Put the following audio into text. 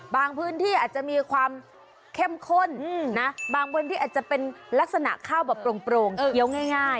พื้นที่อาจจะมีความเข้มข้นนะบางพื้นที่อาจจะเป็นลักษณะข้าวแบบโปร่งเคี้ยวง่าย